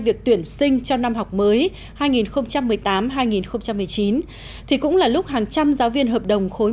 việc tuyển sinh cho năm học mới hai nghìn một mươi tám hai nghìn một mươi chín thì cũng là lúc hàng trăm giáo viên hợp đồng khối